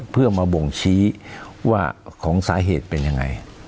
เพื่อมาบ่งชี้ว่าของสาเหตุเป็นยังไง